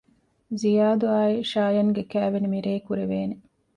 ޒިޔާދު އާއި ޝާޔަން ގެ ކައިވެނި މިރޭ ކުރެވޭނެ